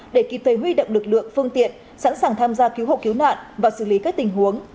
để kịp thời huy động lực lượng phương tiện sẵn sàng tham gia cứu hộ cứu nạn và xử lý các tình huống